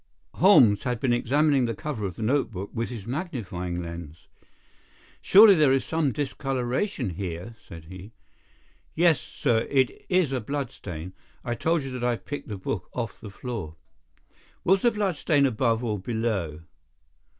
Holmes had been examining the cover of the notebook with his magnifying lens. "Surely there is some discolouration here," said he. "Yes, sir, it is a blood stain. I told you that I picked the book off the floor." "Was the blood stain above or below?"